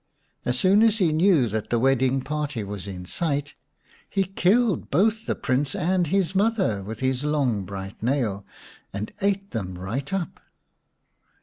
As soon as he knew that the wedding party was in sight he killed both the Prince and his mother with his long bright nail, and ate them right up.